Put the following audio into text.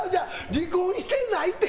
離婚してないって！